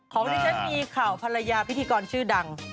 ขอบคุณครับมีข่าวภรรยาพิธีกรชื่อดัง